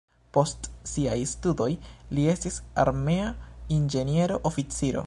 Post siaj studoj li estis armea inĝeniero-oficiro.